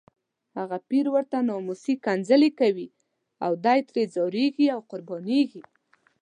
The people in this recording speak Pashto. هغه پیر ورته ناموسي ښکنځلې کوي او دی ترې ځاریږي او قربانیږي.